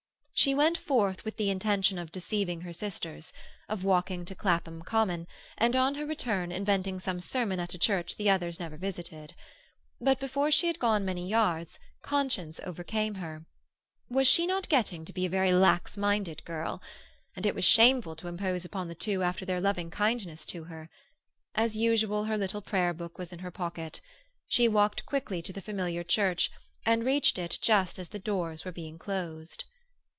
She went forth with the intention of deceiving her sisters, of walking to Clapham Common, and on her return inventing some sermon at a church the others never visited. But before she had gone many yards conscience overcame her. Was she not getting to be a very lax minded girl? And it was shameful to impose upon the two after their loving kindness to her. As usual, her little prayer book was in her pocket. She walked quickly to the familiar church, and reached it just as the doors were being closed.